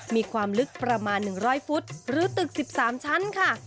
มีความลึกประมาณ๑๐๐ฟุตหรือตึก๑๓ชั้นค่ะ